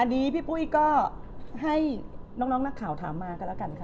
อันนี้พี่ปุ้ยก็ให้น้องนักข่าวถามมากันแล้วกันค่ะ